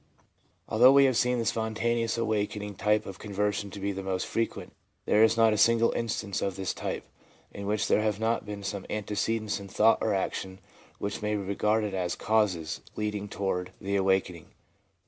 Although we have seen the spontaneous awakening type of conversion to be the most frequent, there is not a single instance of this type in which there have not been some antecedents in thought or action which may be re garded as l causes ' leading toward the awakening.